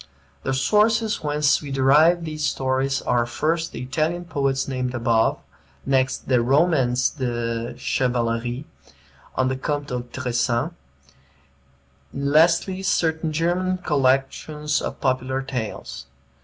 The sources whence we derive these stories are, first, the Italian poets named above; next, the "Romans de Chevalerie" of the Comte de Tressan; lastly, certain German collections of popular tales.